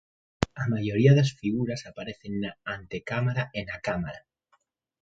A maioría das figuras aparecen na antecámara e na cámara.